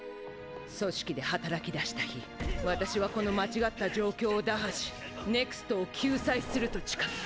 組織で働きだした日私はこの間違った状況を打破しＮＥＸＴを救済すると誓った。